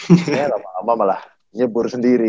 akhirnya lama lama malah nyebur sendiri